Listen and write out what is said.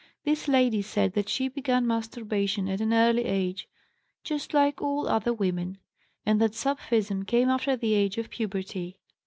This lady said that she began masturbation at an early age, 'just like all other women,' and that sapphism came after the age of puberty.